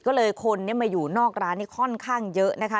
ก็เลยคนมาอยู่นอกร้านนี้ค่อนข้างเยอะนะคะ